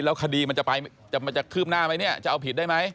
แล้วคดีมันจะไปมันจะคืบหน้าไหมเนี่ยจะเอาผิดได้ไหม